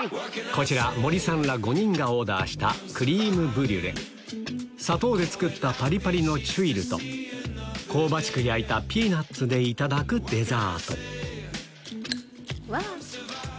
こちら森さんら５人がオーダーした砂糖で作ったパリパリのチュイルと香ばしく焼いたピーナツでいただくデザートうわ。